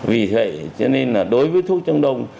vì thế cho nên là đối với thuốc chống đông